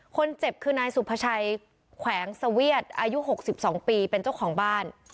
คนเจ็บคือนายสุภาชัยแขวงเสวียดอายุ๖๒ปีเป็นเจ้าของบ้าน